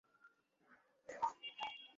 ভাগ্যবান প্রাণীরা চেষ্টা করে না।